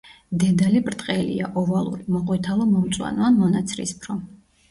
დედალი ბრტყელია, ოვალური, მოყვითალო-მომწვანო ან მონაცრისფრო.